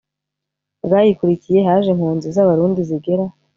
bwayikurikiye haje impunzi z abarundi zigera